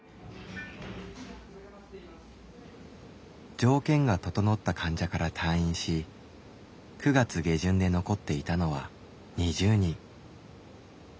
条件が調った患者から退院し９月下旬で残っていたのは２０人。